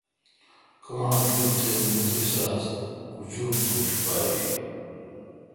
کان، دوت تے متریس اس کچور ام تہ اشپاریل۔